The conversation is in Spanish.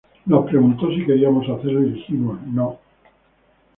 Nos preguntó si queríamos hacerlo y dijimos 'no'.